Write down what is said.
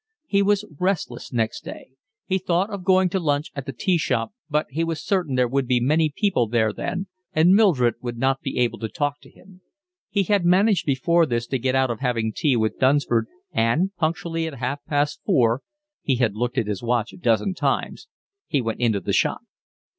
He was restless next day. He thought of going to lunch at the tea shop, but he was certain there would be many people there then, and Mildred would not be able to talk to him. He had managed before this to get out of having tea with Dunsford, and, punctually at half past four (he had looked at his watch a dozen times), he went into the shop.